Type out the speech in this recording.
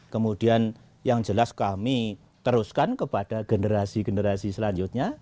kemudian yang jelas kami teruskan kepada generasi generasi selanjutnya